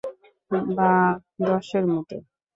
বা দশের মত।